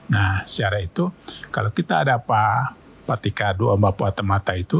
nah sejarah itu kalau kita ada pak pati kado pak bapak atta mata itu